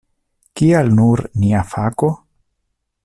Kial nur nia fako?